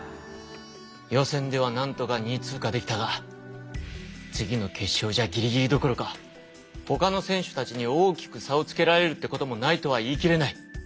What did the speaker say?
予選ではなんとか２位通過できたが次の決勝じゃギリギリどころかほかの選手たちに大きく差をつけられるってこともないとは言い切れない。